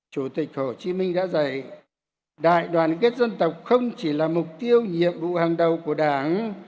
chủ tịch hồ chí minh đã dạy đại đoàn kết dân tộc không chỉ là mục tiêu nhiệm vụ hàng đầu của đảng